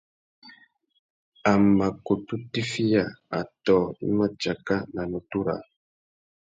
A mà kutu tiffiya atōh i mà tsaka nà nutu râā.